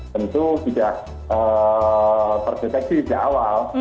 tentu tidak terdeteksi dari awal